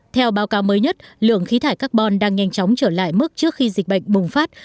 theo báo cáo mới nhất lượng khí thải carbon đang nhanh chóng trở lại mức trước khi dịch bệnh bùng phát